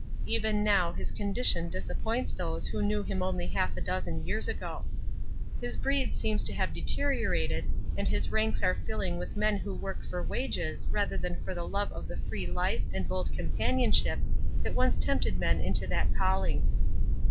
Even now his condition disappoints those who knew him only half a dozen years ago. His breed seems to have deteriorated and his ranks are filling with men who work for wages rather than for the love of the free life and bold companionship that once tempted men into that calling.